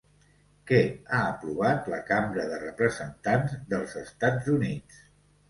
Què ha aprovat la Cambra de Representants dels Estats Units?